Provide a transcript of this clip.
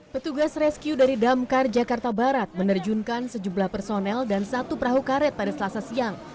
petugas rescue dari damkar jakarta barat menerjunkan sejumlah personel dan satu perahu karet pada selasa siang